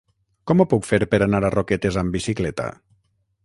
Com ho puc fer per anar a Roquetes amb bicicleta?